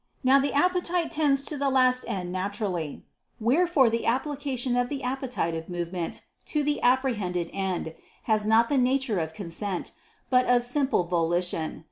Now the appetite tends to the last end naturally: wherefore the application of the appetitive movement to the apprehended end has not the nature of consent, but of simple volition.